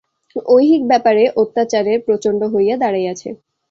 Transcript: ঐহিক ব্যাপারে অত্যাচার প্রচণ্ড হইয়া দাঁড়াইয়াছে।